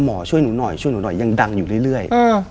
หมอช่วยหนูหน่อยช่วยหนูหน่อยยังดังอยู่เรื่อย